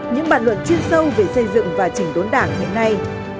những bàn luận chuyên sâu về xây dựng và chỉnh đốn đảng hiện nay